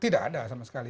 tidak ada sama sekali